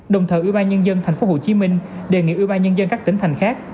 đồng thời ubnd tp hcm đề nghị ubnd các tỉnh thành khác